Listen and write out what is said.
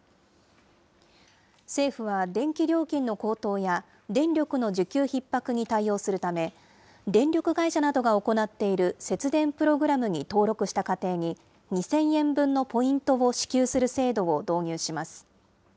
政府は電気料金の高騰や電力の需給ひっ迫に対応するため、電力会社などが行っている節電プログラムに登録した家庭に、２０００円分のポイントを支給する制度を導入します。